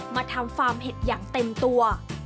มาทำฟาร์มเห็ดอย่างเต็มตัว